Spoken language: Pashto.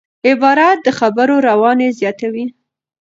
عبارت د خبرو رواني زیاتوي.